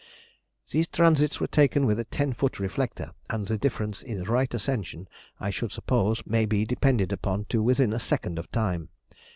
These transits were taken with a ten foot reflector, and the difference in right ascension, I should suppose, may be depended upon to within a second of time.